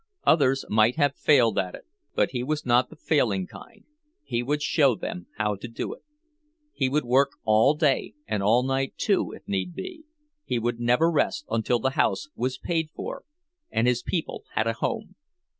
Others might have failed at it, but he was not the failing kind—he would show them how to do it. He would work all day, and all night, too, if need be; he would never rest until the house was paid for and his people had a home.